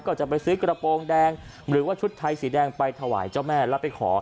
ก็จะไปซื้อกระโปรงแดงหรือว่าชุดไทยสีแดงไปถวายเจ้าแม่แล้วไปขอ